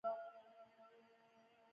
درناوی د ټولنې د راوي ته لاره پرانیزي.